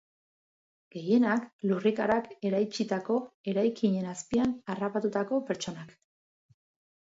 Gehienak, lurrikarak eraitsitako eraikinen azpian harrapatutako pertsonak.